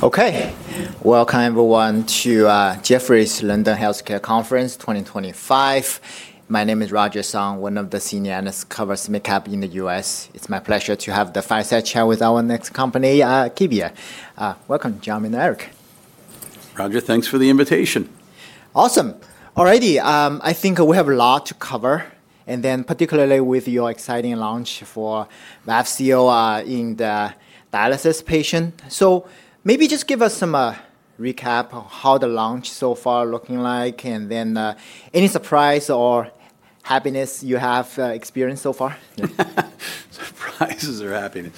Okay. Welcome, everyone, to Jefferies London Healthcare Conference 2025. My name is Roger Song, one of the senior analysts covering MedCap in the U.S. It's my pleasure to have the fireside chat with our next company, Akebia. Welcome, John and Erik. Roger, thanks for the invitation. Awesome. Already, I think we have a lot to cover, and then particularly with your exciting launch for Vafseo in the dialysis patient. Maybe just give us some recap of how the launch so far is looking like, and then any surprise or happiness you have experienced so far. Surprises or happiness.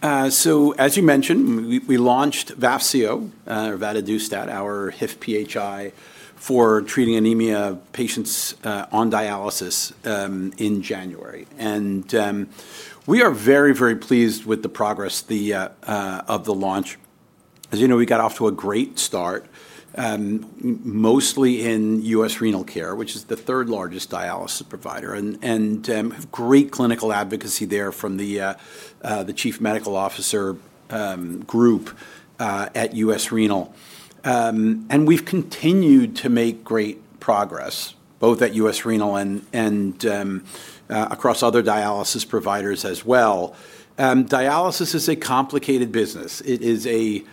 As you mentioned, we launched Vafseo, or vadadustat, our HIF-PHI for treating anemia patients on dialysis in January. We are very, very pleased with the progress of the launch. As you know, we got off to a great start, mostly in U.S. Renal Care, which is the third-largest dialysis provider, and great clinical advocacy there from the Chief Medical Officer group at U.S. Renal. We have continued to make great progress, both at U.S. Renal and across other dialysis providers as well. Dialysis is a complicated business. It is a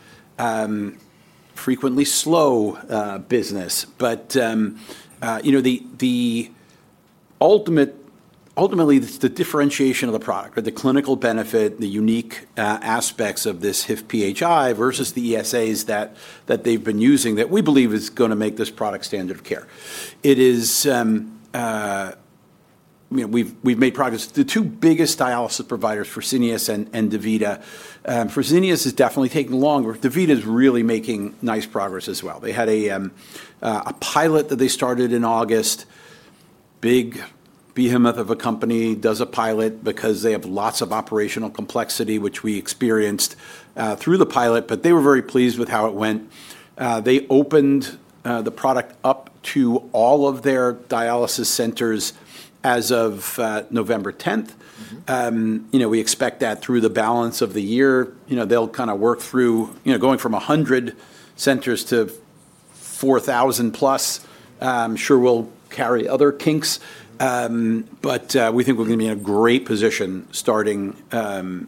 frequently slow business, but ultimately, it is the differentiation of the product, the clinical benefit, the unique aspects of this HIF-PHI versus the ESAs that they have been using that we believe is going to make this product standard of care. We have made progress. The two biggest dialysis providers are Fresenius and DaVita. Fresenius is definitely taking longer. DaVita is really making nice progress as well. They had a pilot that they started in August. Big behemoth of a company does a pilot because they have lots of operational complexity, which we experienced through the pilot, but they were very pleased with how it went. They opened the product up to all of their dialysis centers as of November 10. We expect that through the balance of the year, they'll kind of work through going from 100 centers to 4,000+. I'm sure we'll carry other kinks, but we think we're going to be in a great position starting in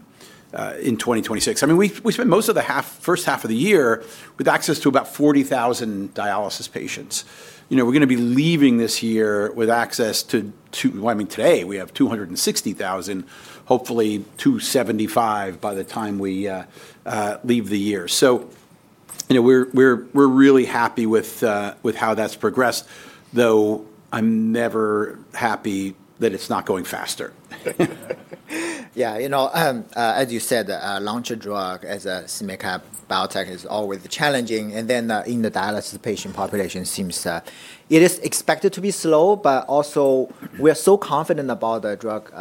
2026. I mean, we spent most of the first half of the year with access to about 40,000 dialysis patients. We're going to be leaving this year with access to, I mean, today we have 260,000, hopefully 275,000 by the time we leave the year. So we're really happy with how that's progressed, though I'm never happy that it's not going faster. Yeah. As you said, launch a drug as a MedCap biotech is always challenging. In the dialysis patient population, it is expected to be slow, but also we are so confident about the drug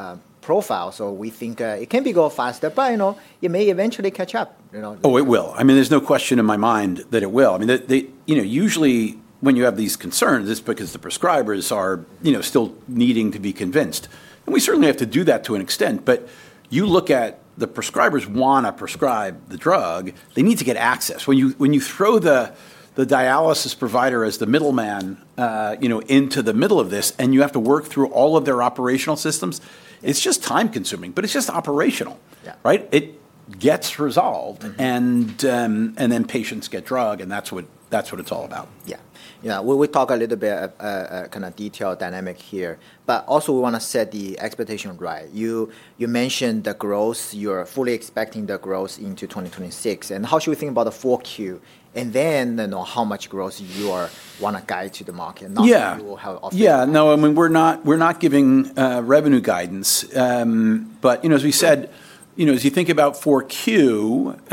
profile, so we think it can be going faster, but it may eventually catch up. Oh, it will. I mean, there's no question in my mind that it will. I mean, usually when you have these concerns, it's because the prescribers are still needing to be convinced. And we certainly have to do that to an extent, but you look at the prescribers want to prescribe the drug, they need to get access. When you throw the dialysis provider as the middleman into the middle of this and you have to work through all of their operational systems, it's just time-consuming, but it's just operational, right? It gets resolved, and then patients get drug, and that's what it's all about. Yeah. Yeah. We'll talk a little bit of kind of detailed dynamic here, but also we want to set the expectation right. You mentioned the growth. You're fully expecting the growth into 2026. How should we think about the 4Q and then how much growth you want to guide to the market? Yeah. Not too high off the top. Yeah. No, I mean, we're not giving revenue guidance, but as we said, as you think about 4Q,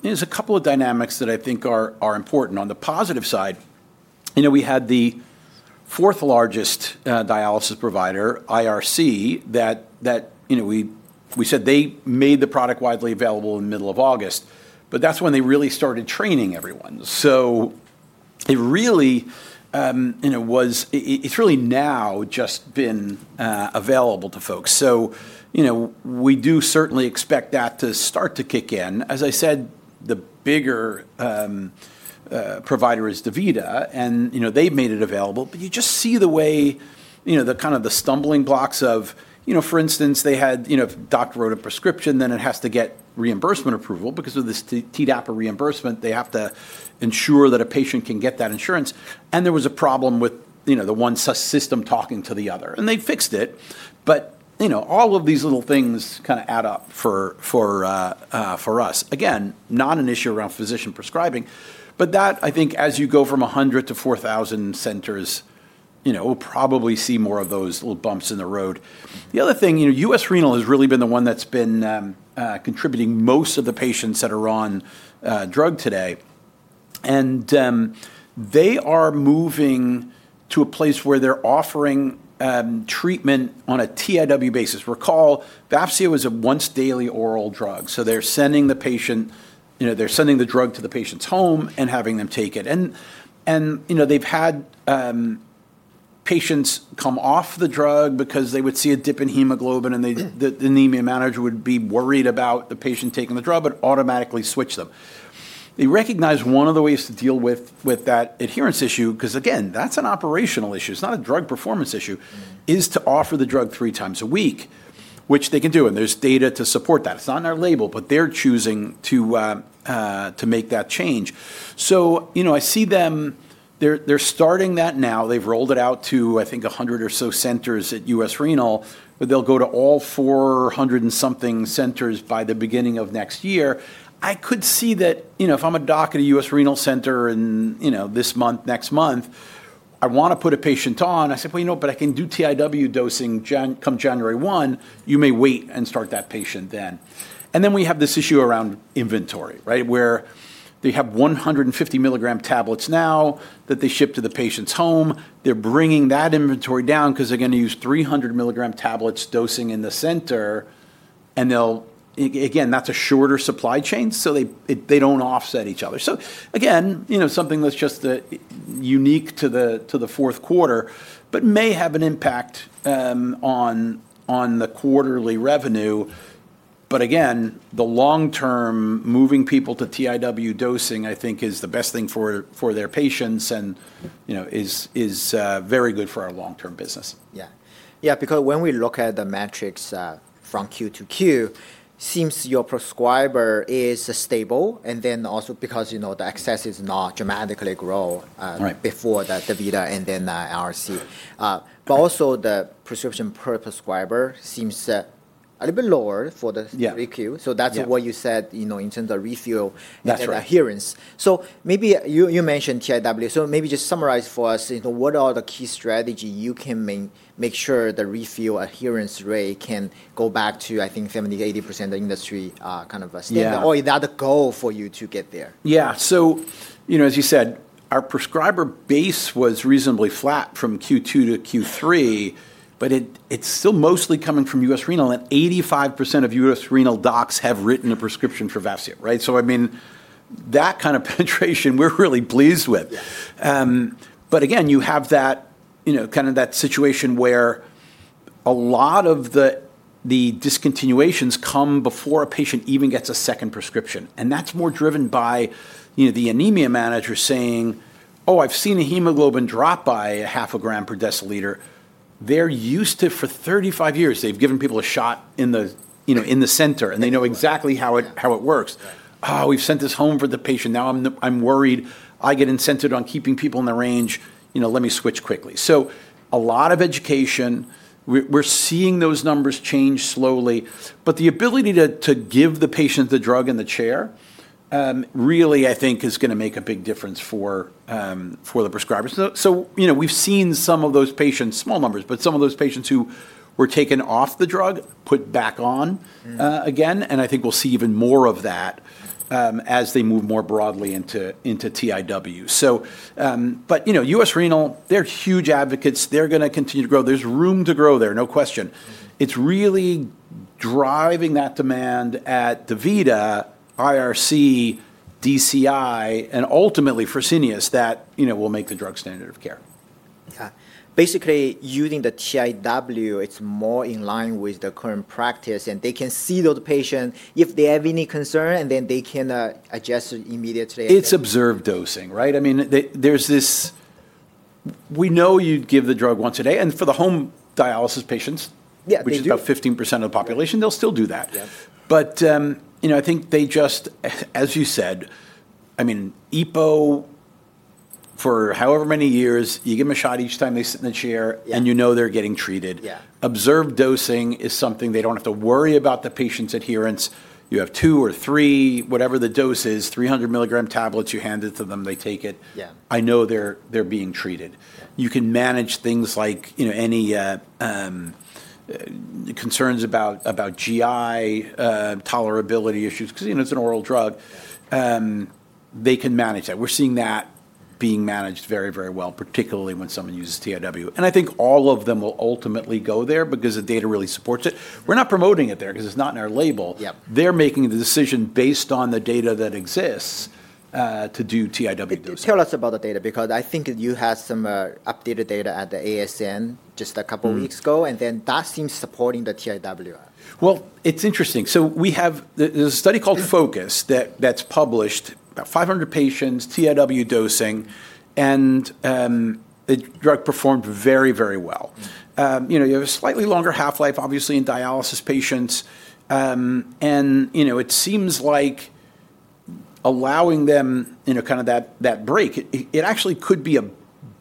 there's a couple of dynamics that I think are important. On the positive side, we had the fourth largest dialysis provider, DCI, that we said they made the product widely available in the middle of August, but that's when they really started training everyone. So it really was, it's really now just been available to folks. We do certainly expect that to start to kick in. As I said, the bigger provider is DaVita, and they've made it available, but you just see the way the kind of the stumbling blocks of, for instance, they had a doctor wrote a prescription, then it has to get reimbursement approval because of this TDAPA reimbursement. They have to ensure that a patient can get that insurance. There was a problem with the one system talking to the other, and they fixed it. All of these little things kind of add up for us. Again, not an issue around physician prescribing, but that, I think as you go from 100 to 4,000 centers, we'll probably see more of those little bumps in the road. The other thing, U.S. Renal has really been the one that's been contributing most of the patients that are on drug today. They are moving to a place where they're offering treatment on a TIW basis. Recall, Vafseo is a once-daily oral drug. They're sending the drug to the patient's home and having them take it. They've had patients come off the drug because they would see a dip in hemoglobin and the anemia manager would be worried about the patient taking the drug, but automatically switch them. They recognize one of the ways to deal with that adherence issue, because again, that's an operational issue. It's not a drug performance issue, is to offer the drug three times a week, which they can do. There's data to support that. It's not in our label, but they're choosing to make that change. I see them, they're starting that now. They've rolled it out to, I think, 100 or so centers at U.S. Renal Care, but they'll go to all 400 and something centers by the beginning of next year. I could see that if I'm a doc at a U.S. Renal Care center this month, next month, I want to put a patient on. I said, well, you know, but I can do TIW dosing come January 1. You may wait and start that patient then. And then we have this issue around inventory, right? Where they have 150 milligram tablets now that they ship to the patient's home. They're bringing that inventory down because they're going to use 300 milligram tablets dosing in the center. And again, that's a shorter supply chain, so they don't offset each other. So again, something that's just unique to the fourth quarter, but may have an impact on the quarterly revenue. But again, the long-term moving people to TIW dosing, I think, is the best thing for their patients and is very good for our long-term business. Yeah. Yeah. Because when we look at the metrics from Q to Q, it seems your prescriber is stable. Also, because the access is not dramatically growing before the DaVita and then RC. Also, the prescription per prescriber seems a little bit lower for the 3Q. That is what you said in terms of refill and adherence. Maybe you mentioned TIW. Maybe just summarize for us, what are the key strategies you can make sure the refill adherence rate can go back to, I think, 70%-80% of industry kind of a standard or another goal for you to get there? Yeah. As you said, our prescriber base was reasonably flat from Q2 to Q3, but it's still mostly coming from U.S. Renal. And 85% of U.S. Renal docs have written a prescription for Vafseo, right? I mean, that kind of penetration, we're really pleased with. Again, you have kind of that situation where a lot of the discontinuations come before a patient even gets a second prescription. That's more driven by the anemia manager saying, oh, I've seen a hemoglobin drop by half a gram per deciliter. They're used to, for 35 years, they've given people a shot in the center and they know exactly how it works. We've sent this home for the patient. Now I'm worried, I get incented on keeping people in the range. Let me switch quickly. A lot of education. We're seeing those numbers change slowly, but the ability to give the patient the drug in the chair really, I think, is going to make a big difference for the prescribers. We've seen some of those patients, small numbers, but some of those patients who were taken off the drug, put back on again. I think we'll see even more of that as they move more broadly into TIW. US Renal, they're huge advocates. They're going to continue to grow. There's room to grow there, no question. It's really driving that demand at DaVita, IRC, DCI, and ultimately Fresenius that will make the drug standard of care. Okay. Basically, using the TIW, it's more in line with the current practice and they can see those patients, if they have any concern, and then they can adjust immediately. It's observed dosing, right? I mean, we know you give the drug once a day. For the home dialysis patients, which is about 15% of the population, they'll still do that. I think they just, as you said, I mean, EPO for however many years, you give them a shot each time they sit in the chair and you know they're getting treated. Observed dosing is something they don't have to worry about the patient's adherence. You have two or three, whatever the dose is, 300 milligram tablets, you hand it to them, they take it. I know they're being treated. You can manage things like any concerns about GI tolerability issues, because it's an oral drug. They can manage that. We're seeing that being managed very, very well, particularly when someone uses TIW. I think all of them will ultimately go there because the data really supports it. We're not promoting it there because it's not in our label. They're making the decision based on the data that exists to do TIW dosing. Tell us about the data because I think you had some updated data at the ASN just a couple of weeks ago, and then that seems supporting the TIW. It's interesting. There is a study called Focus that is published, about 500 patients, TIW dosing, and the drug performed very, very well. You have a slightly longer half-life, obviously, in dialysis patients. It seems like allowing them kind of that break, it actually could be a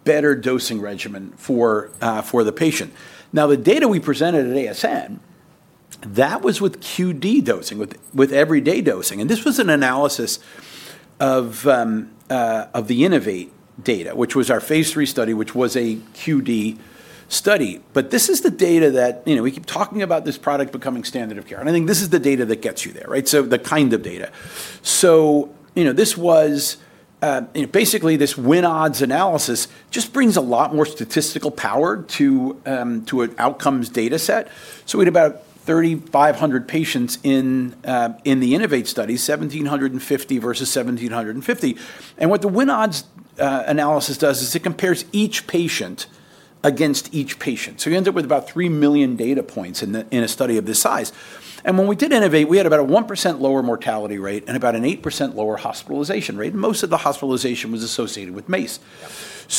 better dosing regimen for the patient. The data we presented at ASN, that was with QD dosing, with everyday dosing. This was an analysis of the Innovate data, which was our phase III study, which was a QD study. This is the data that we keep talking about this product becoming standard of care. I think this is the data that gets you there, right? The kind of data. This was basically this win odds analysis just brings a lot more statistical power to an outcomes data set. We had about 3,500 patients in the INNO2VATE study, 1,750 versus 1,750. What the win odds analysis does is it compares each patient against each patient. You end up with about 3 million data points in a study of this size. When we did INNO2VATE, we had about a 1% lower mortality rate and about an 8% lower hospitalization rate. Most of the hospitalization was associated with MACE.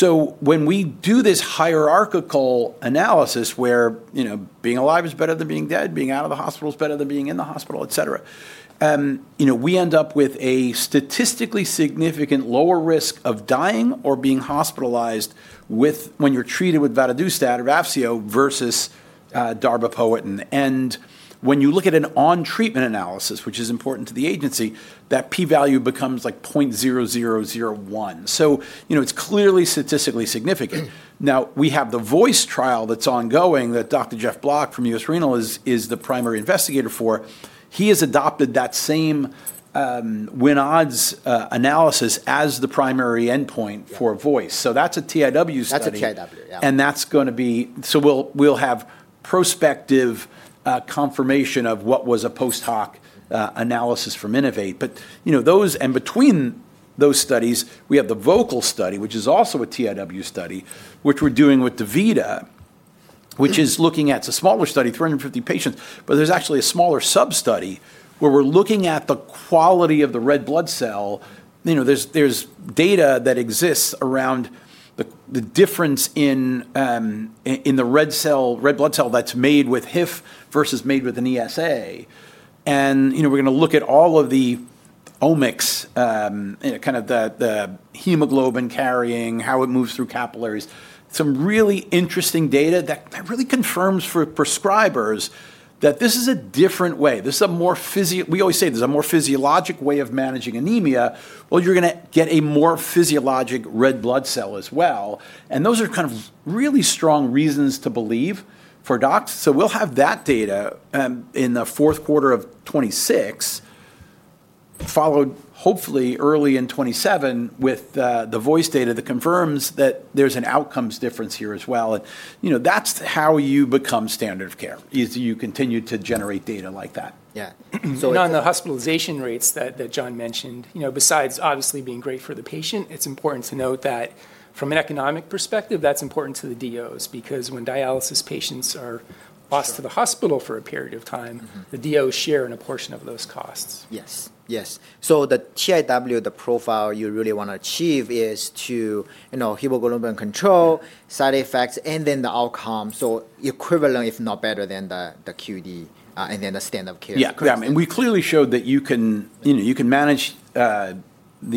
When we do this hierarchical analysis where being alive is better than being dead, being out of the hospital is better than being in the hospital, et cetera, we end up with a statistically significant lower risk of dying or being hospitalized when you are treated with Vafseo or vadadustat versus darbepoetin. When you look at an on-treatment analysis, which is important to the agency, that P value becomes like 0.0001. It is clearly statistically significant. Now, we have the VOICE trial that's ongoing that Dr. Jeff Block from U.S. Renal Care is the primary investigator for. He has adopted that same win odds analysis as the primary endpoint for VOICE. So that's a TIW study. That's a TIW, yeah. That's going to be, so we'll have prospective confirmation of what was a post hoc analysis from Innovate. Between those studies, we have the vocal study, which is also a TIW study, which we're doing with DaVita, which is looking at, it's a smaller study, 350 patients, but there's actually a smaller sub-study where we're looking at the quality of the red blood cell. There's data that exists around the difference in the red blood cell that's made with HIF versus made with an ESA. We're going to look at all of the omics, kind of the hemoglobin carrying, how it moves through capillaries, some really interesting data that really confirms for prescribers that this is a different way. This is a more physical, we always say there's a more physiologic way of managing anemia. You are going to get a more physiologic red blood cell as well. Those are kind of really strong reasons to believe for docs. We will have that data in the fourth quarter of 2026, followed hopefully early in 2027 with the VOICE data that confirms that there is an outcomes difference here as well. That is how you become standard of care, you continue to generate data like that. Yeah. Now, in the hospitalization rates that John mentioned, besides obviously being great for the patient, it's important to note that from an economic perspective, that's important to the DOs because when dialysis patients are bussed to the hospital for a period of time, the DOs share in a portion of those costs. Yes. Yes. The TIW, the profile you really want to achieve is hemoglobin control, side effects, and then the outcome. Equivalent, if not better than the QD and then the standard of care. Yeah. Yeah. We clearly showed that you can manage the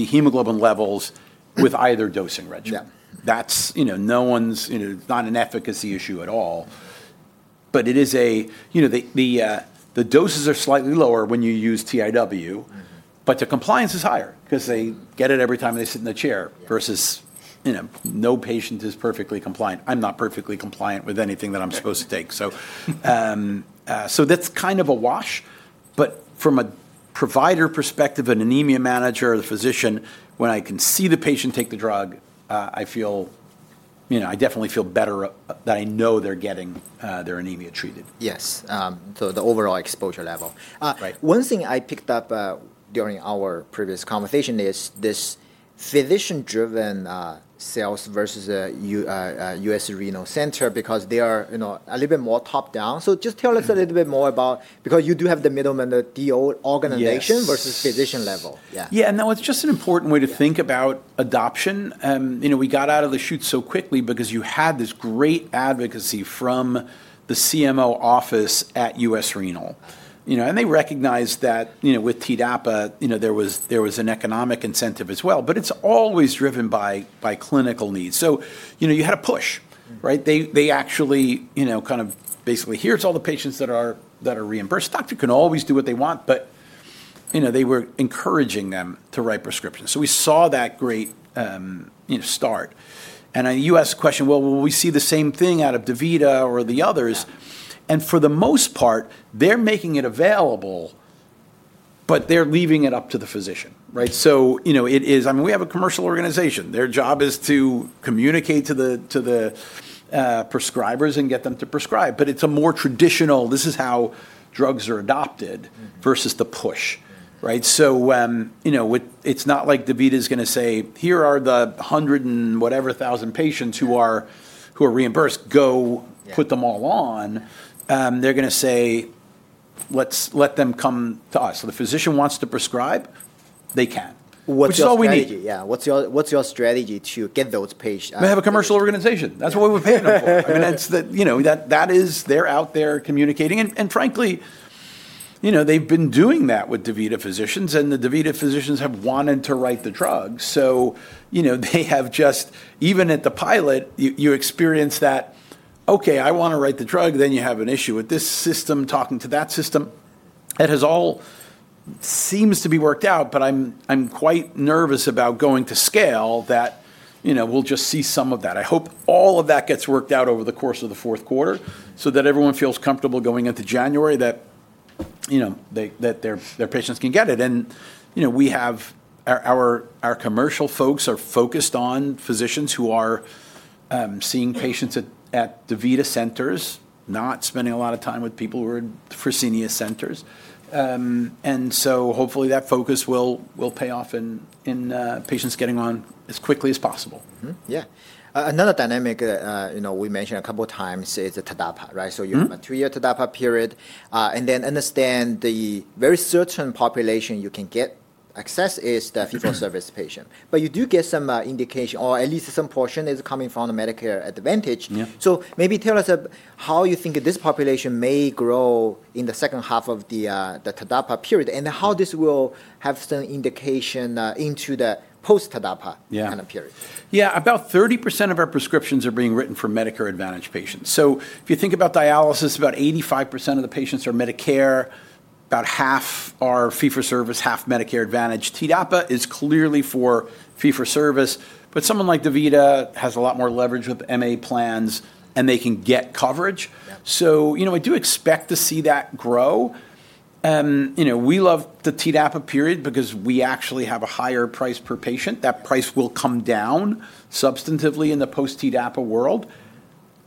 hemoglobin levels with either dosing regimen. That's no one's, it's not an efficacy issue at all. It is a, the doses are slightly lower when you use TIW, but the compliance is higher because they get it every time they sit in the chair versus no patient is perfectly compliant. I'm not perfectly compliant with anything that I'm supposed to take. That's kind of a wash. From a provider perspective, an anemia manager, the physician, when I can see the patient take the drug, I feel, I definitely feel better that I know they're getting their anemia treated. Yes. The overall exposure level. One thing I picked up during our previous conversation is this physician-driven sales versus a U.S. Renal Care center because they are a little bit more top-down. Just tell us a little bit more about, because you do have the middleman, the DO organization versus physician level. Yeah. Yeah. That was just an important way to think about adoption. We got out of the chutes so quickly because you had this great advocacy from the CMO office at U.S. Renal. They recognized that with TDAPA, there was an economic incentive as well, but it is always driven by clinical needs. You had a push, right? They actually kind of basically, here is all the patients that are reimbursed. Doctor can always do what they want, but they were encouraging them to write prescriptions. We saw that great start. On the U.S. question, will we see the same thing out of DaVita or the others? For the most part, they are making it available, but they are leaving it up to the physician, right? It is, I mean, we have a commercial organization. Their job is to communicate to the prescribers and get them to prescribe. It is a more traditional, this is how drugs are adopted versus the push, right? It is not like DaVita is going to say, here are the 100 and whatever thousand patients who are reimbursed, go put them all on. They are going to say, let us let them come to us. If the physician wants to prescribe, they can. What is your strategy? Yeah. What's your strategy to get those patients? We have a commercial organization. That's what we're paying them for. I mean, that is, they're out there communicating. And frankly, they've been doing that with DaVita physicians and the DaVita physicians have wanted to write the drug. So they have just, even at the pilot, you experience that, okay, I want to write the drug, then you have an issue with this system talking to that system. It all seems to be worked out, but I'm quite nervous about going to scale that we'll just see some of that. I hope all of that gets worked out over the course of the fourth quarter so that everyone feels comfortable going into January that their patients can get it. And we have our commercial folks are focused on physicians who are seeing patients at DaVita centers, not spending a lot of time with people who are in Fresenius centers. Hopefully that focus will pay off in patients getting on as quickly as possible. Yeah. Another dynamic we mentioned a couple of times is the TDAPA, right? You have a three-year TDAPA period. I understand the very certain population you can get access is the fee-for-service patient. You do get some indication or at least some portion is coming from the Medicare Advantage. Maybe tell us how you think this population may grow in the second half of the TDAPA period and how this will have some indication into the post-TDAPA kind of period. Yeah. About 30% of our prescriptions are being written for Medicare Advantage patients. If you think about dialysis, about 85% of the patients are Medicare, about half are fee-for-service, half Medicare Advantage. TDAPA is clearly for fee-for-service, but someone like DaVita has a lot more leverage with MA plans and they can get coverage. I do expect to see that grow. We love the TDAPA period because we actually have a higher price per patient. That price will come down substantively in the post-TDAPA world.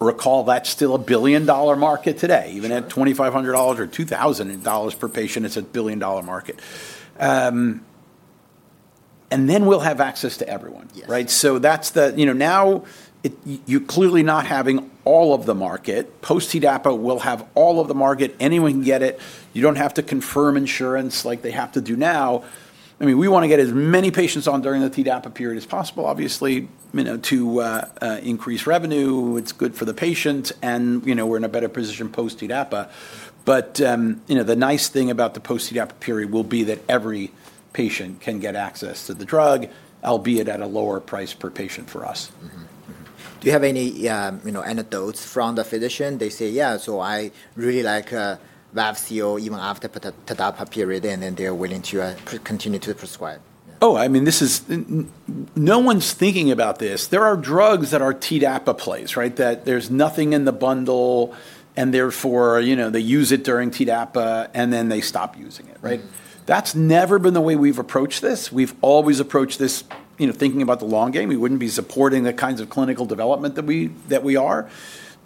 Recall that's still a billion-dollar market today. Even at $2,500 or $2,000 per patient, it's a billion-dollar market. We will have access to everyone, right? Now, you're clearly not having all of the market. Post-TDAPA will have all of the market. Anyone can get it. You don't have to confirm insurance like they have to do now. I mean, we want to get as many patients on during the TDAPA period as possible, obviously, to increase revenue. It's good for the patient and we're in a better position post-TDAPA. The nice thing about the post-TDAPA period will be that every patient can get access to the drug, albeit at a lower price per patient for us. Do you have any anecdotes from the physician? They say, yeah, so I really like Vafseo even after the TDAPA period and then they are willing to continue to prescribe. Oh, I mean, this is, no one's thinking about this. There are drugs that are TDAPA plays, right? That there's nothing in the bundle and therefore they use it during TDAPA and then they stop using it, right? That's never been the way we've approached this. We've always approached this thinking about the long game. We wouldn't be supporting the kinds of clinical development that we are.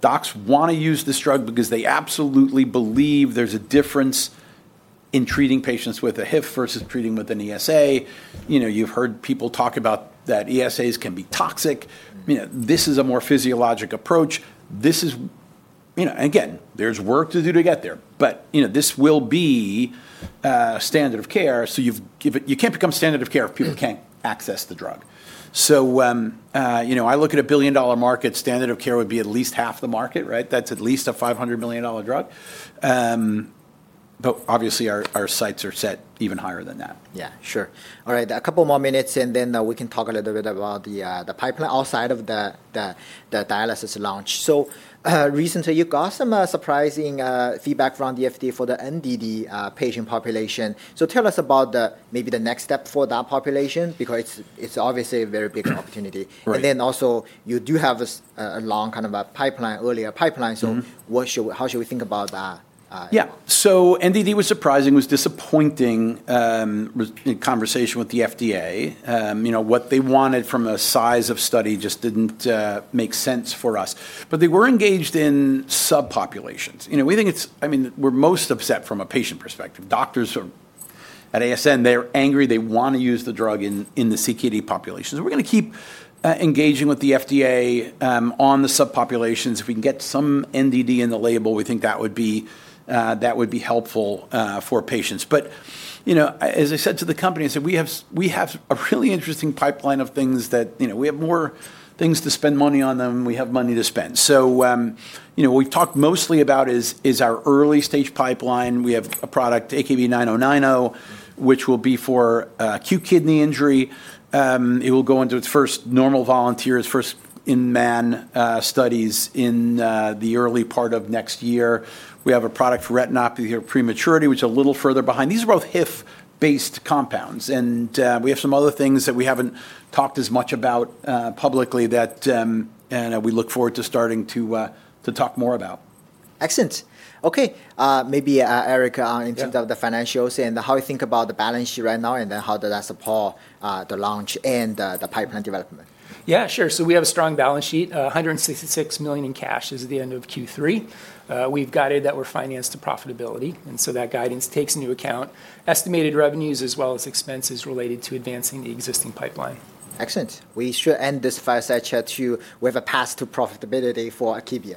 Docs want to use this drug because they absolutely believe there's a difference in treating patients with a HIF versus treating with an ESA. You've heard people talk about that ESAs can be toxic. This is a more physiologic approach. This is, again, there's work to do to get there, but this will be standard of care. You can't become standard of care if people can't access the drug. I look at a billion-dollar market, standard of care would be at least half the market, right? That's at least a $500-million drug. Obviously our sights are set even higher than that. Yeah, sure. All right. A couple more minutes and then we can talk a little bit about the pipeline outside of the dialysis launch. Recently you got some surprising feedback from the FDA for the NDD patient population. Tell us about maybe the next step for that population because it's obviously a very big opportunity. You do have a long kind of a pipeline, earlier pipeline. How should we think about that? Yeah. NDD was surprising, was disappointing conversation with the FDA. What they wanted from a size of study just did not make sense for us. They were engaged in subpopulations. We think it is, I mean, we are most upset from a patient perspective. Doctors at ASN, they are angry. They want to use the drug in the CKD population. We are going to keep engaging with the FDA on the subpopulations. If we can get some NDD in the label, we think that would be helpful for patients. As I said to the company, I said, we have a really interesting pipeline of things that we have more things to spend money on than we have money to spend. What we have talked mostly about is our early stage pipeline. We have a product, AKB-9090, which will be for acute kidney injury. It will go into its first normal volunteers, first in man studies in the early part of next year. We have a product for retinopathy of prematurity, which is a little further behind. These are both HIF-based compounds. We have some other things that we haven't talked as much about publicly that we look forward to starting to talk more about. Excellent. Okay. Maybe Eric, in terms of the financials and how you think about the balance sheet right now and then how does that support the launch and the pipeline development? Yeah, sure. We have a strong balance sheet, $166 million in cash as of the end of Q3. We've guided that we're financed to profitability. That guidance takes into account estimated revenues as well as expenses related to advancing the existing pipeline. Excellent. We should end this fireside chat with a path to profitability for Akebia.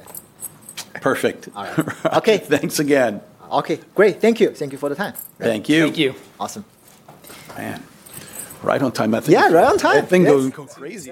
Perfect. All right. Thanks again. Okay. Great. Thank you. Thank you for the time. Thank you. Thank you. Awesome. Man. Right on time, I think. Yeah, right on time. That thing goes crazy.